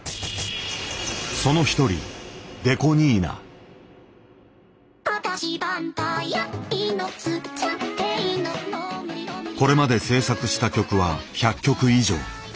その一人これまで制作した曲は１００曲以上。